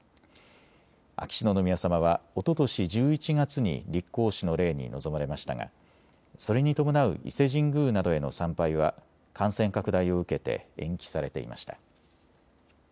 秋篠宮さまはおととし１１月に立皇嗣の礼に臨まれましたがそれに伴う伊勢神宮などへの参拝は感染拡大を受けて延期されていました。